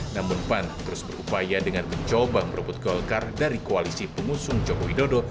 namun pan terus berupaya dengan mencoba merebut golkar dari koalisi pengusung joko widodo